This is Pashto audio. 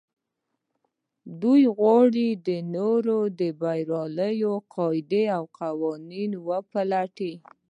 دوی غواړي د نورو د برياوو قاعدې او قوانين وپلټي.